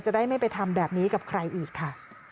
ได้ไม่ไปทำแบบนี้กับใครอีกค่ะ